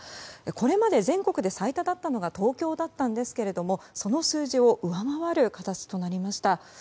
これまで全国で最多だったのが東京だったんですがその数字を上回る形となりました。